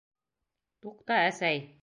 Туҡта, әсәй.